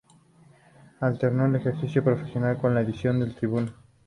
Alternó el ejercicio profesional con la edición de El Tribuno.